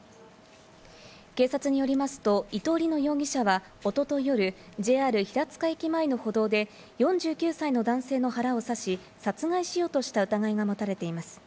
警察によりますと、伊藤りの容疑者は一昨日夜、ＪＲ平塚駅前の歩道で４９歳の男性の腹を刺し殺害しようとした疑いが持たれています。